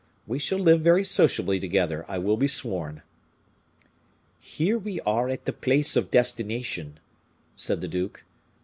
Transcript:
We shall live very sociably together, I will be sworn." "Here we are at our place of destination," said the duke.